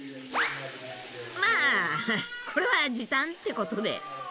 まぁこれは時短ってことで。